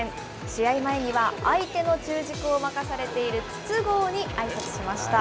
試合前には、相手の中軸を任されている筒香にあいさつしました。